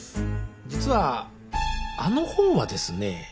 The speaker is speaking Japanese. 実はあの本はですね。